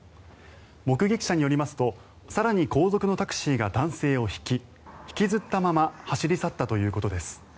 目撃者によりますと更に、後続のタクシーが男性をひき引きずったまま走り去ったということです。